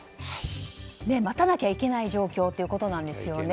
待たなきゃいけない状況ということなんですよね。